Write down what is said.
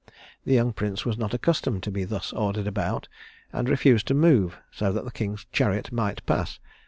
The young prince was not accustomed to be thus ordered about, and refused to move so that the king's chariot might pass.